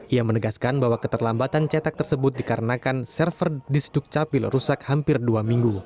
ia menegaskan bahwa keterlambatan cetak tersebut dikarenakan server disduk capil rusak hampir dua minggu